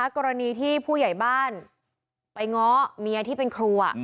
กรณีที่ผู้ใหญ่บ้านไปง้อเมียที่เป็นครู